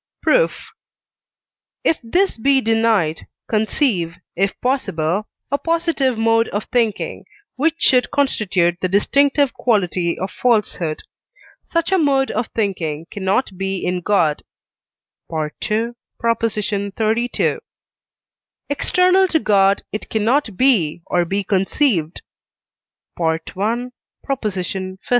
Proof. If this be denied, conceive, if possible, a positive mode of thinking, which should constitute the distinctive quality of falsehood. Such a mode of thinking cannot be in God (II. xxxii.); external to God it cannot be or be conceived (I. xv.).